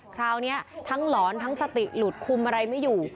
คราวนี้ทั้งหลอนทั้งสติหลุดคุมอะไรไม่อยู่